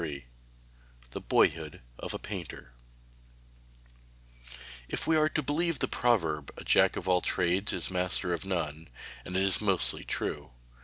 _] THE BOYHOOD OF A PAINTER If we are to believe the proverb, a 'Jack of all Trades is master of none,' and it is mostly true.